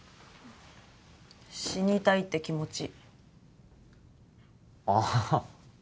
死にたいって気持ちああ